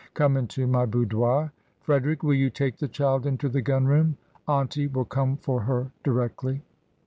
Come into my boudoir. Frederick, will you take the child into the gun room? Auntie will come for her directly."